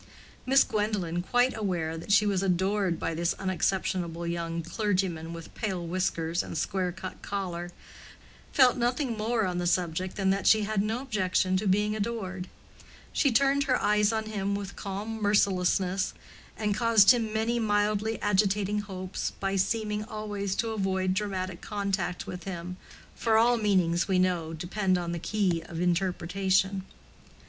Miss Gwendolen, quite aware that she was adored by this unexceptionable young clergyman with pale whiskers and square cut collar, felt nothing more on the subject than that she had no objection to being adored: she turned her eyes on him with calm mercilessness and caused him many mildly agitating hopes by seeming always to avoid dramatic contact with him—for all meanings, we know, depend on the key of interpretation.